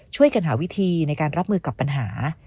ช่วยกันหาวิธีในการรับมือกับปัญหา